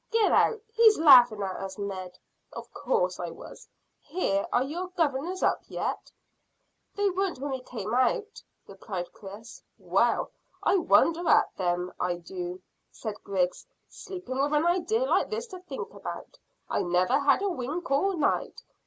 "Get out! He's laughing at us, Ned." "Of course I was. Here, are your governors up yet?" "They weren't when we came out," replied Chris. "Well, I wonder at them, I dew," said Griggs. "Sleeping, with an idea like this to think about. I never had a wink all night.